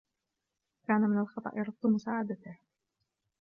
كان من الخطأ رفض مساعدته.